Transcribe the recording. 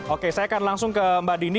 oke saya akan langsung ke mbak dini